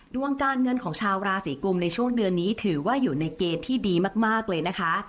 ดวงการเงินของชาวราศีกุมในช่วงเดือนนี้ถือว่าอยู่ในเกณฑ์ที่ดีมากเลยนะคะ